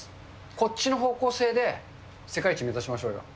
こっちの方向性で世界一目指しましょうよ。